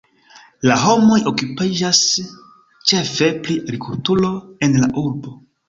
La homoj okupiĝas ĉefe pri agrikulturo en la urbo.